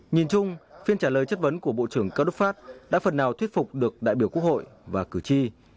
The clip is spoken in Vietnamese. nhìn chung phiên trả lời chất vấn của bộ trưởng cao đức pháp đã phần nào thuyết phục được đại biểu quốc hội và cử tri